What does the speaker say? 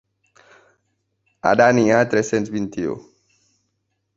Ara n’hi ha tres-cents vint-i-u.